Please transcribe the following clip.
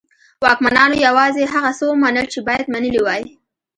واکمنانو یوازې هغه څه ومنل چې باید منلي وای.